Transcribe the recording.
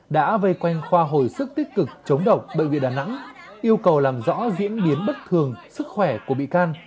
đã vây quanh khoa hồi sức tích cực chống độc bệnh viện đà nẵng yêu cầu làm rõ diễn biến bất thường sức khỏe của bị can